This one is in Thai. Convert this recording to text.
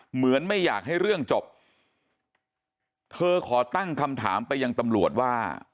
เหมือนไม่อยากให้เรื่องจบเธอขอตั้งคำถามไปยังตำรวจว่า